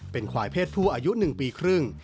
เป็นควายเพศผู้อายุ๑ปีครึ่ง